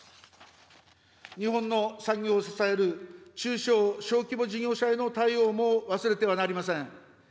日本の産業を支える、中小・小規模事業者への対応も忘れてはなりません。